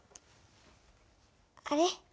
あれ？